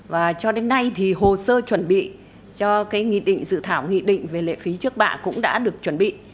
và cho đến nay thì hồ sơ chuẩn bị cho cái nghị định dự thảo nghị định về lệ phí trước bạ cũng đã được chuẩn bị